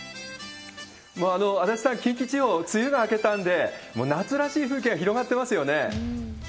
足立さん、近畿地方、梅雨が明けたんで、もう夏らしい風景、広がってますよね。